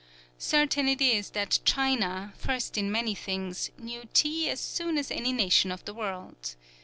Certain it is that China, first in many things, knew tea as soon as any nation of the world.